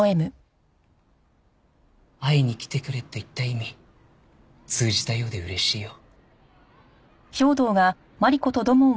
「会いに来てくれ」と言った意味通じたようで嬉しいよ。